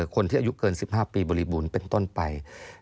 คนที่อายุเกิน๑๕ปีบริบูรณ์เป็นต้นไป